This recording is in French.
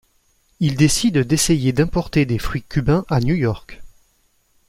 Il décide d'essayer d'importer des fruits cubains à New-York.